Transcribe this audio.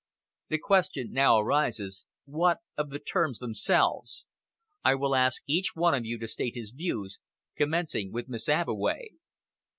The question now arises, what of the terms themselves? I will ask each one of you to state his views, commencing with Miss Abbeway."